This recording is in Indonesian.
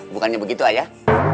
bukannya begitu ayah